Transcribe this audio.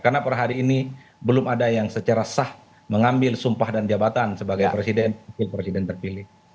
karena pada hari ini belum ada yang secara sah mengambil sumpah dan jabatan sebagai presiden dan wakil presiden terpilih